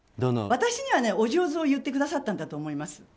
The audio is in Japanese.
私にはお上手を言ってくださったんだと思います。